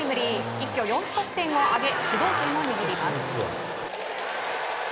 一挙４得点を挙げ主導権を握ります。